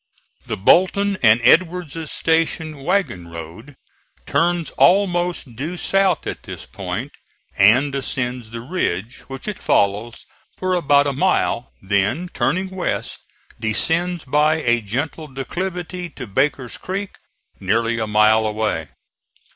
The Bolton and Edward's station wagon road turns almost due south at this point and ascends the ridge, which it follows for about a mile; then turning west, descends by a gentle declivity to Baker's Creek, nearly a mile away.